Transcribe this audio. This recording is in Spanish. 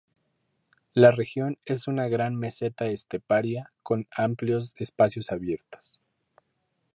La región es una gran meseta esteparia, con amplios espacios abiertos.